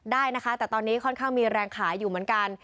ได้นะคะแต่ตอนนี้ค่อนข้างมีแรงขายอยู่เหมือนกัน